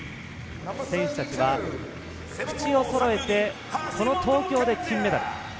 選手たちは、口をそろえてこの東京で金メダル。